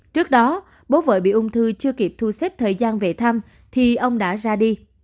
trước đó bố vợ bị ung thư chưa kịp thu xếp thời gian về thăm thì ông đã ra đi